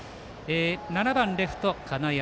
７番レフト、金山。